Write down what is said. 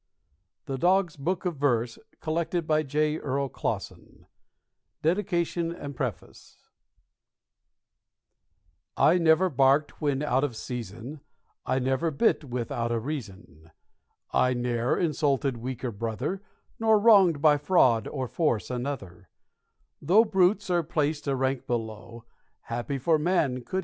The Dog's Book of Verse Collected by J. Earl Clauson "'I never barked when out of season; I never bit without a reason; I ne'er insulted weaker brother, Nor wronged by fraud or force another;' Though brutes are placed a rank below, Happy for man could he say so."